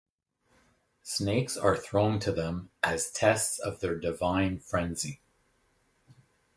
Snakes are thrown to them as tests of their divine frenzy.